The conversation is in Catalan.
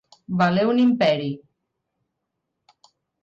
Valer un imperi.